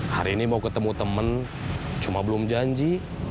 hari ini mau ketemu teman cuma belum janji